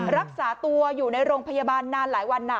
รักษาตัวอยู่ในโรงพยาบาลนานหลายวัน